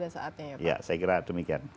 saya kira demikian